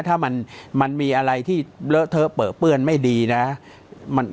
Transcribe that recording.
ถ้ามันมีอะไรที่เผลอเปื้อนไม่ดีนะ